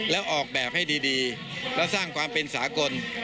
แล้วออกแบบให้ดีและสร้างความเป็นสากล